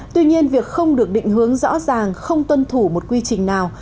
tuy nhiên việc không được định hướng rõ ràng không tuân thủ một quy trình nào